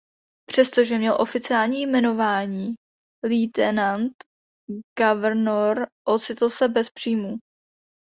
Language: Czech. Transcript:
Přestože měl oficiální jmenování Lieutenant Governorocitl se bez příjmu.